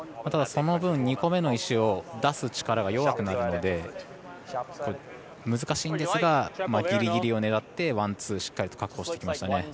ただ、その分２個目の石を出す力が弱くなるので難しいんですがギリギリを狙ってワン、ツーしっかり確保してきましたね。